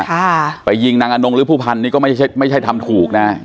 ค่ะไปยิงนางอนงหรือผู้พันนี่ก็ไม่ใช่ไม่ใช่ทำถูกนะ